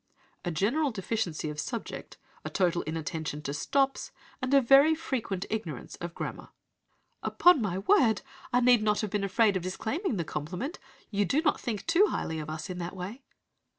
"'A general deficiency of subject, a total inattention to stops, and a very frequent ignorance of grammar.' "'Upon my word, I need not have been afraid of disclaiming the compliment! You do not think too highly of us in that way.'